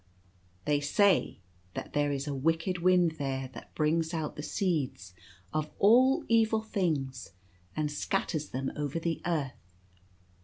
They say that there is a wicked wind there that brings out the seeds of all evil things and scatters them over the earth.